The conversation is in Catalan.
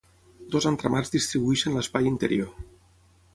Dos entramats distribueixen l'espai interior.